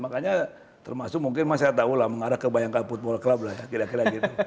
makanya termasuk mungkin saya tahu lah mengarah ke bayangkan futbol klub lah ya kira kira gitu